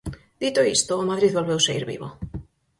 Dito isto, o Madrid volveu saír vivo.